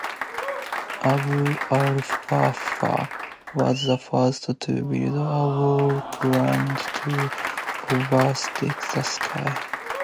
Abu Al-Wafa' was the first to build a wall quadrant to observe the sky.